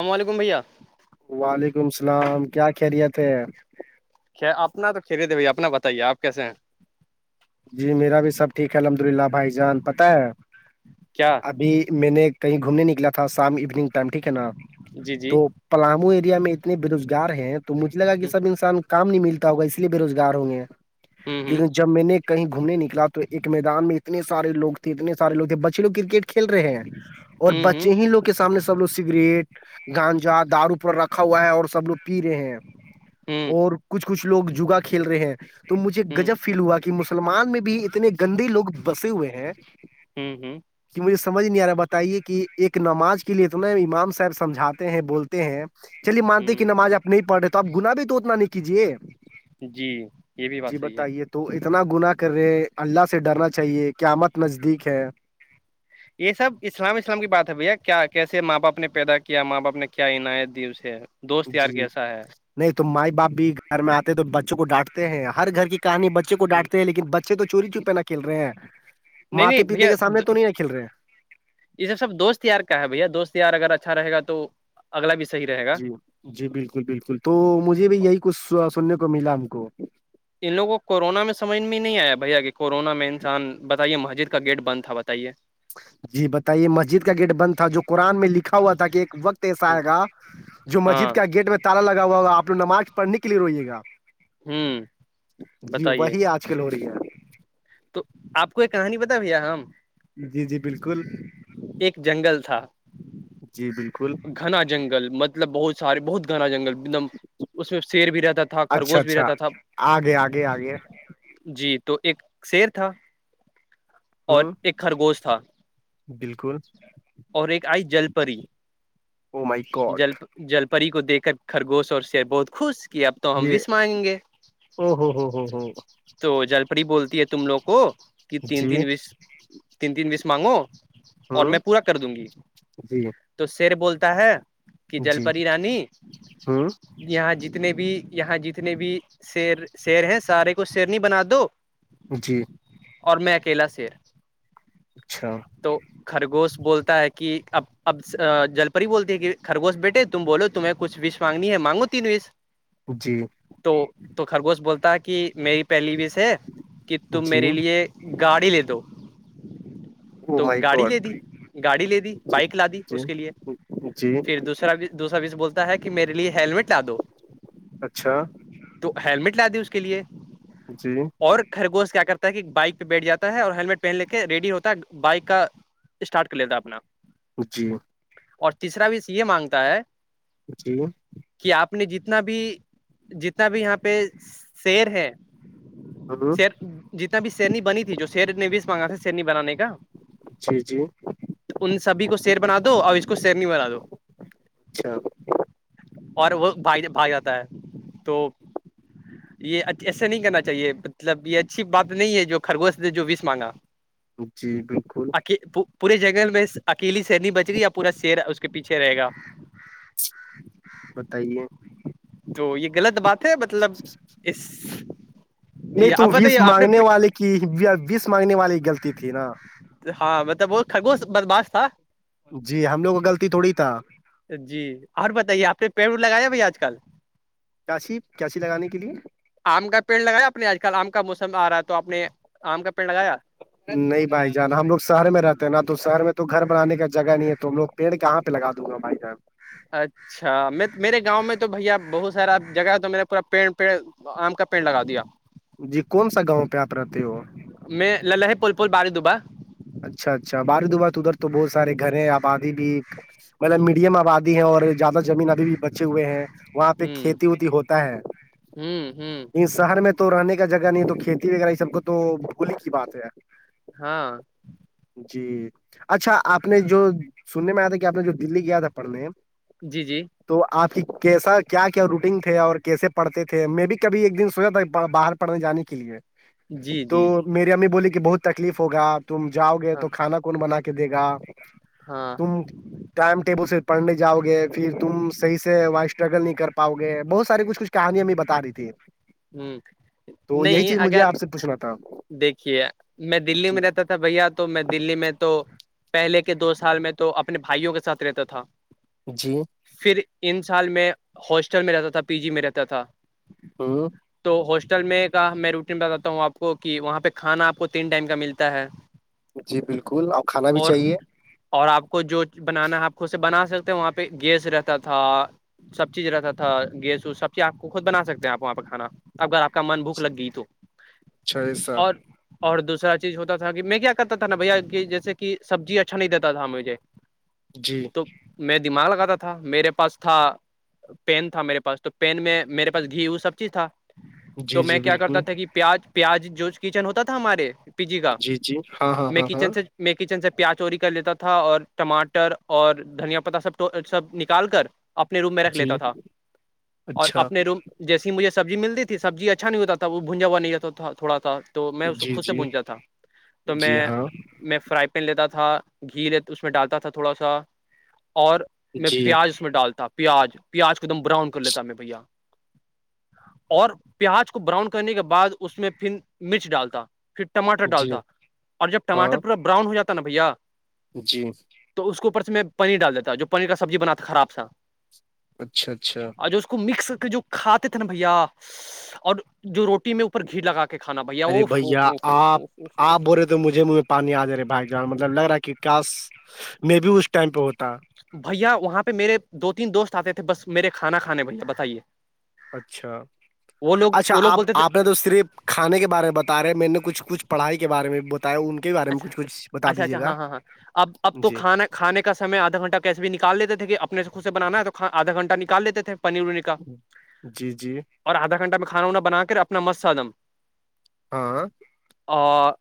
اللام علیکم بھیا وعلیکم السلام کیا خیریت ہے اپنا تو کھیریے تھے بھائی اپنا بتائیے آپ کیسے ہیں جی میرا بھی سب ٹھیک ہے الحمد للہ بھائی جان پتہ ہے کیا ابھی میں نے کہیں گھومنے نکلا تھا شام ایوننگ ٹائم ٹھیک ہے نا جی جی تو پلاامو ایریا میں اتنے بے روزگار ہیں تو مجھے لگا کہ ہ سب انسان کام نہیں ملتا ہوگا اس لیے بے روزگار ہوں گے ہ ہ لیکن جب میں نے کہیں گھومنے نکلا تو ایک میدان میں اتنے سارے لگ تھے اتنے سارے لگ تھے بچے لگ کرکٹ کھیل رہے ہیں اور بچے ہی لوگ کے سامنے سب لوگ سگریٹ گانجا دارو پر رکھ رکھا ہوا ہے اور سب لوگ پی رہے ہیں ہ اور کچھ کچھ لوگ جگا کھیل رہے ہیں تو مجھے گجب فیل ہوا کہ مسلمان میں بھی اتنے گندے لوگ بسے ہوئے ہیں ہوں ہوں کہ مجھے سمجھ نہیں آ رہا ہے بتائیے کہ ایک نماز کے لیے اتنا امام صاحب سمجھاتے ہیں بولتے ہیں چلیے مانتے ہ کہ نماز آپ نہیں پڑھ رہے تو آپ گنا بھی تو اتنا نہیں کیجیے جی یہ بھی بات جی صحیح ہے بتائیے تو اتنا گناہ کر رہے ہیں اللہ سے ڈرنا چاہیے کیا آمت نزدیک ہے یہ سب اسلام اسلام کی بات ہے بھیا کیا کیسے ماں باپ نے پیدا کیا ماں باپ نے کیا عناایت دی اسے دوست یار جی کیسا ہے نہیں تو مائی باپ بھی گھر میں آتے ہیں تو بچوں کو ڈانٹتے ہیں ہر گھر کی کہانی بچے کو ڈانٹتے ہیں لیکن بچے تو چوری چوپہ نہ کھیل رہے ہیں نہیں نہیں ماتے پیتے بھیا کے سامنے تو نہیں ن کھیل رہے ہیں یہ سب سب دوست یار کا ہے بھیا دوست یار اگر اچھا رہےا تو اگلا بھی صحیح رہے گا جی جی بالکل بالکل تو مجھے بھی یہی کچھ سننے کو ملا ہم کو ان لوگوں کو کورونا میں سمجھ میں نہیں آیا بھیا کہ کورونا میں انسان بتائیے مسجد کا گیٹ بند تھا بتائیے جی بتائیے مسجد کا گیٹ بند تھا جو قرآن میں لکھا ہوا تھا کہ ایک وقت ایسا آئے گا جو ہاں مسجد کا گیٹ میں تالا لگا ہوا ہوا آپ ل نماز پڑھنے کے لیے روئیے گا ہوں جی بتائیے وہی آج کل ہو رہی ہے تو آپ کو ایک کہانی بتا بھیا ہم جی جی بالکل ایک جنگل جی بالکل گنا جنگل مطلب بہت سارے بہت گھنا جنگل ایک دم اس میں شیر بھی رہتا تھا اچھا خرگوش بھی اچھا رہتا تھا آگے آگے آگے جی تو ایک شیر تھا اور ہوں ایک خرگوش تھا بالکل اور ایک آئی جل پری وہ م جل جل پری کو دھ کر خرگوش اور شیر بہت خوش کہ اب تو ہم یہ بیس مانگیں گے او ہو ہو ہو ہو تو جل پڑری بولتی ہے تم لوگ کو کہ تین جی تین بیس تین تین بیس مانگو اور ہوں میں پورا کر دوں گی جی تو شیر بولتا ہے کہ جل جی پری رانی ہوں یہاں جتنے بھی یہاں جتنے بھی شیر شیر ہیں سارے کو شیرنی بنا دو جی اور میں اکیلا سیر اچھا تو خرگوش بولتا ہے کہ اب جل پری بولتی ہے کہ خرگوش بیٹے تم بولو تمہیں کچھش مانگنی ہے مانگو تین وش جی تو تو خرگوش بولتا کہ میری پہلی وش ہے کہ تم میرے جی لیے گاڑی لے دو او تو مائی گاڑی گاڈ لے دی گاڑی لے دی بائک لا دی جی اس کے لیے جی پھر دوسرا دوسرا بھیز بولتا ہے کہ میرے لیے ہیللمٹ لا دو اچھا تو ہیللمٹ لا د اس کے لیے جی اور خرگوش کیا کرتا ہے کہ بائک پہ بیٹھ جاتا ہے اور ہیللمٹ پہن لے کے ریڈی ہوتا ہے بائک کا اسٹارٹ کر لیتا اپنا جی اور تیسرا بھی اس یہ مانگتا ہے جچھ ہے کہ آپ نے جتنا بھی ب یہاں پہ شیر ہے ہاں شیر جتنا بھی سیرنی بنی تھی جو سیر نے بھی مانگا تھا سنی بنانے کا جی جی ان سبھی کو سیر بنا دو اور اس کو سیر نہیں بنا دو اچھا اور وہ بھائی بھاائی جاتا ہے تو [unintelligible] یہ ایسا نہیں کرنا چاہیے مطلب یہ اچھی بات نہیں ہے جو خرگوش سے جو بیس مانگا جی بالکل ی پورے جنگل میں اکیلی سنی بچ رہی یا پورا شیر اس کے پیچھے رہے گا بتائیے تو یہ غلط بات ہے مطلب اس نہیں جی تو آپ بیس بتائیے آپ مانگنے نے والے کی بیس مانگنے والے کی غلطی تھی نا ہاں مطلب وہ کھگوش بدماش تھا جی ہم لوگ کا غلطی تھوڑی تھا جی اور بتائیے آپ نے پیڑ وڑ لگایا بھائی آج کل کیاسی کیسیی لگانے کے لیے آم کا پیڑ لگایا آپ نے آج کل آم کا موسم آ رہا ہے تو آپ نے آم کا پیڑ لگایا نہیں بھائی جان ہم لوگ شہر میں رہتے ہیں نا تو شہر میں تو گھر بنان کا جگہ نہیں ہے توم لوگ پیڑ کہاں پہ لگا دوں گا بھائی صحب اچھا میں میرے گاؤں میں تو بھیا بہت سارا جگہ تو میرا پورا پیڑ پیڑ آم کا پینڑ لگا دیا جی کون سا گاؤں پہ آپ رہتے ہو وہ میں للہ ہے پول پول بار دبا اچھا اچھا باردبار ادھر تو بہت سارے گھر ہیں آبادی بھی مطلب ہوں میڈیم آبادی ہے اور زیادہ زمین ابھی بھی بچے ہوئے ہیں وہاں پہ کھیتی وتی ہوتا ہے ہوں ہوں شہر میں تو رہنے کا جگہ نہیں تو کھیتی وغیرہ یہ سب کو تو بھول کی بات ہے ہاں جی اچھا آپ نے جو سننے میں آیا تھا کہ آپ نے جو دللی گیا تھا پڑھنے جی جی تو آپ کی کیسا کیا کیا روٹین تھے اور کیسے پڑھتے تھے میں بھی کبھی ایک دن سوچا تھا باہر پڑنے جان کے لیے جی تو جی میری امی بولی کہ بہت تکلیف ہوگا تم جاؤ گے ہاں تو کھانا کون بنا کے کہ دے گا ہاں تم ٹائم ٹیبل سے پڑھنے جاؤ گے پھر تم صحیح سے وہ اسٹرگل نہیں کر پاؤ گے بہت سارےچھ کچھ کہانییاں بھی بتا رہی تھی ہ تو یہی نہیں چیز مجھے اگر آپ سے پوچھنا تھا دیکھیے میں دللی جی میں رہتا تھا بھیا تو میں دللی میں تو [unintelligible] پہلے کے دو سال میں تو اپنے بھائیوں کے ساتھ رہتا تھا جی پھر ان سال میں ہاسٹل میں رہتا تھا پی جی میں رہتا تھا ہو [unintelligible] تو ہاسٹل میں کا میں روٹین بتاتا ہوں آپ کو کو کہ وہاں پہ کھانا آپ کو تین ٹائم کا ملتا ہے جی بالکل اور کھانا بھی چاہیے اور آپ کو جو بنانا آپ خود سے بنا سکتے ہیں وہاں پہ گیس رہتا تھا سب چیز رہتا تھا گیس ووس سب چیز آپ کو خود بنا سکتے ہیں آپ وہاں پہھانا اگر آپ کا من بھوک لگ گئی تو چھ سو اور اور دوسر چیز ہوتا تھا کہ میں کیا کرتا تھا نا بھیا کہ جیسے کہ سبزی اچھا نہیں دیتا تھا مجھے جی تو میں دماغ لگاتا تھا میرے پاس تھا پین تھا میرے پاس تو پین میں میرے پاس گھی وہ سب چیز تھا تو جی میں جی کیا کرتا بالکل تھا کہ پیاز پیاز جو کچن ہوتا تھا ہمارے پی جی کا جی ہاں ہاں میں ہاں ہاں کچن سے میں کچن سے پیاز چوری کر لیتا تھا اور ٹماٹر اور دھنیا پتتا سب سب نکال کر اپنے روم میں رکھ لیتا جی تھا اور اچھا اپنے روم جیسی مجھے سبزی مل تھی سبزی اچا نہیں ہوتا تھا وہ بھجا نہیں ہوتا تھا تھوڑا تھا [unintelligible] تو میں اس کو جی خود سے جی بونجا تھا تو میں جی ہاں [unintelligible] میں فرائی پین لیتا تھا گھی اس میں ڈالتا تھا تھوڑا سا اور میں جی پیاز اس میں ڈالتا پیاز پیاز کو ایک دم براؤن کر لیتا میں بھیا اور پیاز کو براؤن کرنے کے بعد اس میں پھر مرچ ڈالتا پھر ٹماٹر جی ڈالتا اور جب ہاں ٹماٹر پورا براؤن ہو جاتا نا بھیا جی تو اس کے اوپر سے میں پانی ڈال دیتا جو پانی کا سبزی بناا تھا خراب تھا اچھا اچھا مکس کر کے جو کھاتے تھے نا بھیا اور جو روٹی میں اوپر گھی لگا کے کھانا بھیا [unintelligible] ارے وہ بھیا آپ آپ بولے تو مجھے پانی آ جا رہے بھائی جان مطلب لگ رہا ہے کہ کاش میں بھی اس ٹائم پہ ہوتا بھیا وہاں پہ میرے دو تین دوست آتے تھے بس میرے کھانا کھانے بھیا بتائیے اچھا وہ لوگ اچھا وہ لوگ آپ بولتے تھے آپ نے تو صرف کھانے کے بارے میں بتا رہے ہیں میں نے کچھ کچھڑھائی کے بارے میں بتایا ان [unintelligible] اچھا کچھ بتا اچھا دیجیے اچھا گا ہاں ہاں ہاں اب اب تو جی کھانا کھے کا سم آدھا گھٹہ کیسے بھی نکال لیتے تھے کہ اپنے سے خود سے بنانا ہے تو آھا گھنٹ نکالتے تھے پانییر ویر [unintelligible] جی جی اور آھا گھنٹہ کھانا وانانا کر اپنا مست سے آدم [unintelligible] ہاں اور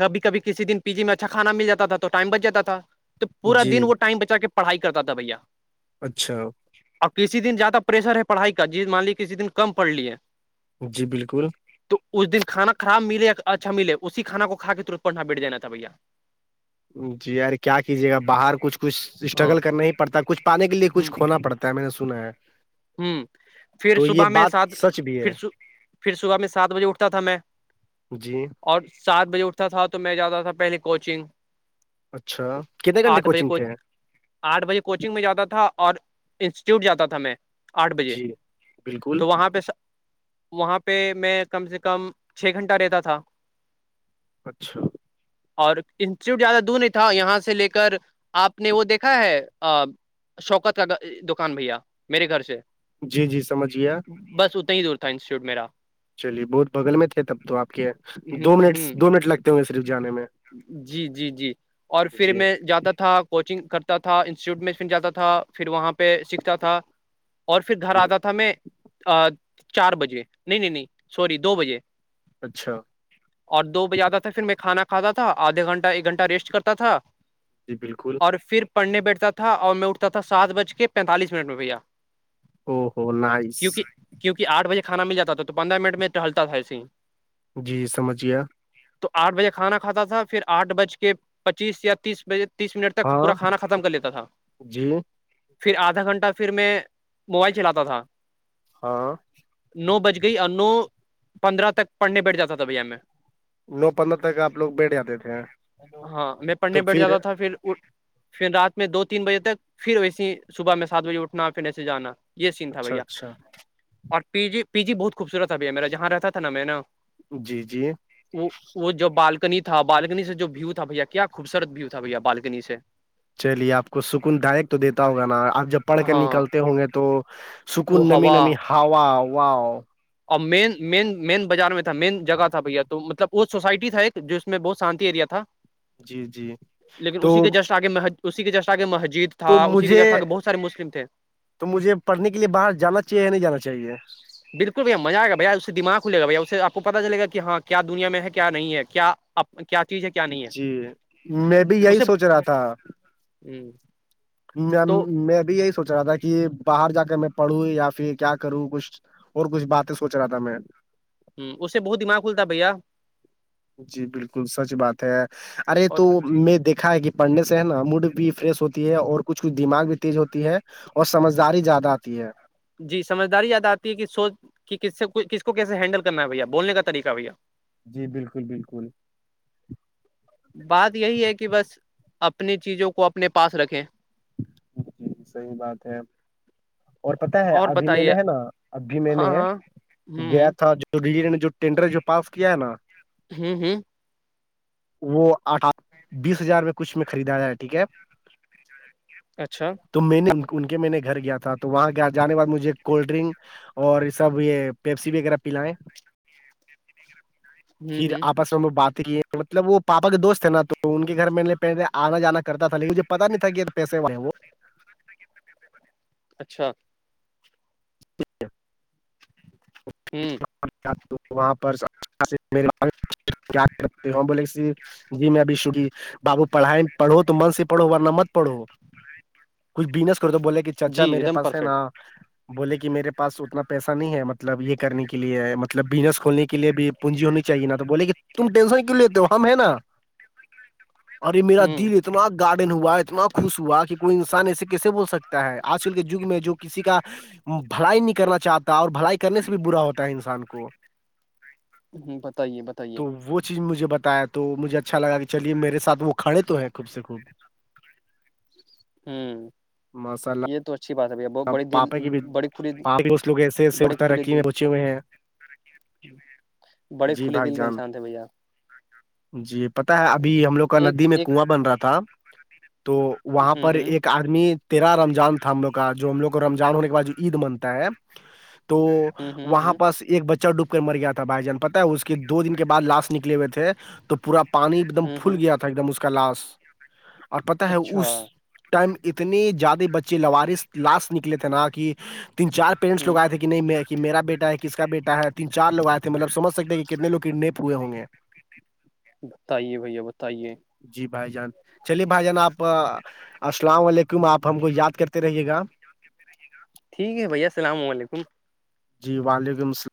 کبھی کبھی کسی دن پی جی میں اچھا کھانا مل جاتا تھا تو ٹائم بچ جاتا تھا تو پورا جی دن وہ ٹائم بچا کے پڑھائی کرتا تھا بھیا اچھا اور کسی دن زیادہ پریشر ہے پڑھائی کا جی مان لیے کسی دن کم پڑھ لیے جی بالکل تو اس دن کھانا خراب ملے یا اچھا ملے اسی کھانا کو کھا کے ترت پر نہا بیٹھ جینا تھا بھیا [unintelligible] جی یار کیا کیجیے گا باہر کچھ کچھ ہاں اسٹرگل کرنا ہی پڑتا کچھ پانے کے لیے کچھ کھونا پڑتا کیا میں نے سنا ہے ہوں پھر تو یہ صبح میں بات سات سچ بھی پھر ہے پھر صبح میں سات بجے اٹھتا تھا میں جی اور سات بجے اٹھتا تھا تو میں جاتا تھا پہلے کوچنگ اچھا کتنے گھنٹے آٹھ بجے کوچنگ کو تھے آٹھ بجے کوچنگ میں جاتا تھا اور انسٹیٹیوٹ جاتا تھا میں آٹھ بجے جی بالکل تو وہاں پہ [unintelligible] وہاں پہ میں کم سے کم چھ گھنٹہ رہتا تھا اچھا اور انسٹیٹیوٹ زیادہ دور نہیں تھا یہاں سے لے کر آپ نے وہ دیکھا ہے شوکت کا دکان بھیا میرے گھر سے جی جی سمجھ گیا بس اتنا ہی دور تھا انسٹیٹیوٹ میرا چلیے بہت بغل میں تھے تب تو آپ کے ہ دو منٹ ہ دو منٹ لگتے ہو گے صرف جانے میں جی جی جی اور پھر جی میں جاتا تھا کوچنگ کرتا تھا انسٹیٹیوٹ میں پھر جاتا تھا پھر وہاں پہ سیکھتا تھا اور پھر گھر جی آتا تھا میں چار بجے نہیں نہیں نہیں سوری دو بجے اچھا اور دو بجے آتا تھا پھر میں کھانا کھاتا تھا آدھا گھنٹہ ایک گھنٹہ ریسٹ کرتا تھا جی بالکل اور پھر پڑھنے بیٹھتا تھا اور میں اٹھتا تھا سات بج کے پینتالیس منٹ میں بھیا او ہو نائس [unintelligible] کیونک کہ آٹ بجے کھانا ملاتا تھا تو پندرہ منٹ میں ٹلتا تھا ایے ہی جی سمجھ گیا تو آٹھ بجے کھانا کھاتا تھا پھر آٹھ بج کے پچیس یا تیس بجےک تیس منٹ تک پورا ہاں کھانا ختم کر لیتا تھا جی پھر آدھا گھنٹہ پھر میں موبائل چلاتا تھا ہاں نو بج گئی اور نو پندرہ تک پڑھنے بیٹھ جاتا تھا بھیا میں نو پندرہ تک لوگ بیٹھ جاتے تھے ہاں میں پڑھنے بیٹھ جاتا تھا پھر پھر رات میں دو تین بجے تک پھر ویسے ہی صبح میں سات بجے اٹھنا پھر ایسے جانا یہ سین تھا اچھا بھیا اچھا اور پی جی پی جی بہت خوبصورت تھا بھیا میرا جہاں رہتا تھا نا میں نا جی جی وہ وہ جو بالٹی [unintelligible] نی تھا بالکنی سے جو ویو تھا بھیا کیا خوبصورت ویو تھا بھیا بالکنی سے چلیے آپ کو سکون دائریک تو دیتا ہوگا نا آپ جب پڑھ کر ہاں نکلتے ہوں گے تو وہ سکون نمی ہوا نمی ہوا واؤ اور مین مین مین بازار میں تھا مین جگہ تھا بھیا تو مطلب وہ سوسائٹی تھا ایک جس اس میں بہت شانتی ایریا تھا جی جی لیکن تو اسی کے جسٹ آگے اسی کی چشٹا کے مسجد تو تھا اسی کے مجھے جسٹ آگے بہت سارے مسلم تھے تو مجھے پڑھنے کے لیے باہر جانا چاہیے یا نہیں جانا چاہیے بھ مز آئے گ بھیا اس سے دماغ کھلے گ بھیا اس آپ کو پتا چے گا کہ ہاں کیا دنیا میں ہے کیا نہیں ہے کیا آپ کیا چیز ہے کیا جی میں بھی یہی سوچ رہا تھا ہوں میں میں بھی یہی سوچ رہا تھا کہ باہر جا کر میں پڑھوں یا پھر کیا کروں کچھ اور کچھ باتیں سوچ رہا تھا میں ہ اس سے بہت دماغ کھتا بھیا جی بالکل سچ بات ہے ارے اور تو میں دیکھا ہے کہ پڑھنے سے ہے نا موڈ بھی فریش ہوتی ہے اور کچھ کچھ دماغ بھی تیز ہوتی ہے اور سمجھداری زیادہ آتی ہے جی سمجھداری یاد آتی ہے کہ سوچ کہ کس سے کس کو کیس ہینڈل کرنا ہے بھیا بولنے کا طریقہ بھیا جی بالکل بالکل بات یہی ہے کہ بس اپنی چیزوں کو اپنے پاس رکھیں جی صحیح بات ہے اور پت ہے اور ابھی میں نے بتائیے ہے نا ابھی میں ہاں نے ہاں گیا ہوں تھا جو تو ڈی نے جو ٹینڈر جو پاس کیا ہے نا ہوں ہوں وہ آٹھا بیس ہزار میں کچھ میں خریدا جائے ہے ٹھیک ہے اچھا تو میں نے ان کے میں نے گھر گیا تھا تو وہاں جے بعد مجھے کولڈ ڈرنک اور یہ سب یہ پیپسی بھی وغیرہ پلائ ہوں پھر ہوں آپس بات مطلب وہ پاپا کے دوست تھ ن تو ان کے گھر میں پہلے آنا جانا کرتا تھا لیکن مجھے پتا نہیں تھا کہ پسے وہ اچھا ٹھ ہے ایک وہاں پر بولےف جی میں ابھی شبھی بابو پڑھائی پڑھو تو من سے پڑو ورنہ مت پڑھو کچھ بزنس کرو تو بولے کہ جی چاچا ایک میرے دم پاس ہے پرفیکٹ نا بولے کہ میرے پاس اتنا پیسہ نہیں ہے مطلب یہ کرنے کے لیے مطلب بزنس کھولنے کے لیے بھی پوننجی ہونی چاہیے نا تو بولے کہ تم ٹینشن کیوں لیتے ہو ہم ہیں نا اوررے میرا دل ہوں اتنا گارڈن ہوا اتنا خوش ہوا کہ کوئی انسان ایسے کیسے بول سکتا ہے آج کل کے جگ میں جو کسی کا بھائی نہیں کرنا چاہتا اور بھائی کر بھی برا ہوتا ہے انسان کو بتائیے بتائیے تو وہ چیز مجھے بتایا تھا تو مجھے اچھا لگا کہ چلیے میرے سھ وہ کھڑے تو ہیں خوب سے خوب ہوں ماشاء اللہ یہ تو اچھی بات ہے بھیا بڑی دل پاپا کی بھی بڑی کھلی پاپا کے دوست لوگ ایسے ایسے بڑی کھلی ترقی میں دل پہنچے ہوئے ہیں بڑے جی کھلے بھائی دل کے جان انسان تھے بھ آ جی پتا ہے ابھی ہم لوگ کا ایک ندی میں ایک کنواں بن رہا تھا تو وہاں ہوں پر ہوں ایک آدمی تیرا رمضان تھا ہم لوگ کا جو ہم لگ کو رمضان ہونے کے بعد جو عید منتا ہے تو ہوں ہوں وہاں ہوں پس ایک بچہ ڈب مر گیا تھا بھائی جان پتا ہے اس کے دو دن کے بد لاسٹ نکے ہوئے تھے تو پورا پ پانی ایک دم ہوں پل ہوں گیا تھا ایک دم اس کا لاش اور پتا ہے اچھا اس ٹائم اتنے زیادہ بچے لوارث لاسٹ نکلے تھے نا کہ تین چار پیرنٹس ہوں لوگ آئے تھے کہ نہیں میرا بیٹا ہے کس کا بیٹا ہے تین چار لوگ آئے تھے مطلب سمجھ سکتے ہیں کہ کتنے لوگ کررنے ہوئے ہوں گے بتائیے بھیا بتائیے جی بھائی جان چلیے بھائی جان آپ السلام علیکم آپ ہم کو یاد کرتے رہیے گا ٹھیک ہے بھیا السلام علیکم کر کے